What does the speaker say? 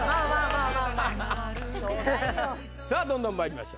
あさあどんどんまいりましょう